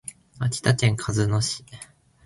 秋田県鹿角市